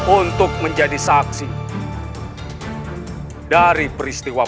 aku meminta kepada kalian semua